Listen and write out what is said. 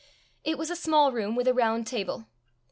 It was a small room with a round table.